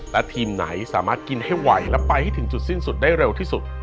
และทีมไหนสามารถกินให้ไหวและไปให้ถึงจุดสิ้นสุดได้เร็วที่สุด